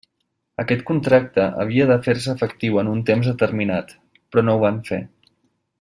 Aquest contracte havia de fer-se efectiu en un temps determinat, però no ho van fer.